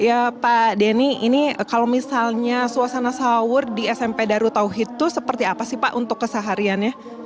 ya pak denny ini kalau misalnya suasana sahur di smp darut tauhid itu seperti apa sih pak untuk kesehariannya